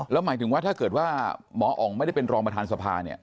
แล้วหมายถึงว่าถ้าเกิดว่าหมออ๋องไม่ได้เป็นรองประธานสภาเนี่ย